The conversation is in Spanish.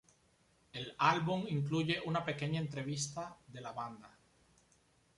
El álbum incluye una pequeña entrevista de la banda.